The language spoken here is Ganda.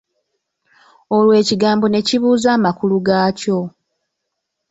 Olwo ekigambo ne kibuza amakulu gaakyo.